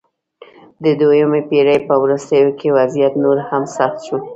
د دویمې پېړۍ په وروستیو کې وضعیت نور هم سخت شو